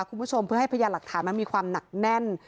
คุณผู้ชมเพื่อให้พยานหลักฐานมันมีความหนักแน่น